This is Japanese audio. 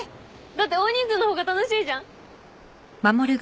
だって大人数の方が楽しいじゃん。